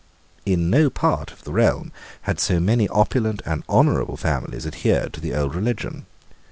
In no part of the realm had so many opulent and honourable families adhered to the old religion.